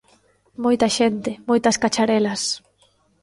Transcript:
Moita xente, moitas cacharelas...